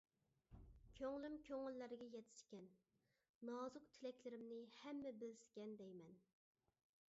كۆڭلۈم كۆڭۈللەرگە يەتسىكەن، نازۇك تىلەكلىرىمنى ھەممە بىلسىكەن دەيمەن.